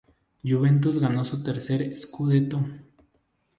Juventus ganó su tercer "scudetto".